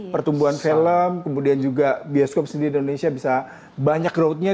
pertumbuhan film kemudian juga bioskop sendiri di indonesia bisa banyak growthnya